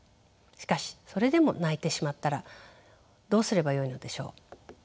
しかしそれでも泣いてしまったらどうすればよいのでしょう。